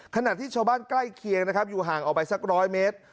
ขณะที่ชาวบ้านใกล้เคียงนะครับอยู่ห่างออกไปสักร้อยเมตร